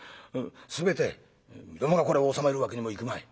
全てみどもがこれを納めるわけにもいくまい。